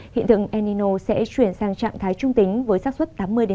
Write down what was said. hiện tượng enino sẽ chuyển sang trạng thái trung tính với sát xuất tám mươi tám mươi năm